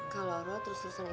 kalo lo terus terusan istirahat